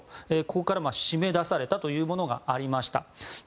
ここから締め出されたというものがありました。